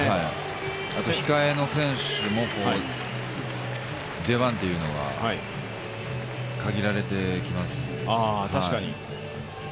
あと控えの選手も、出番というのが限られてきます。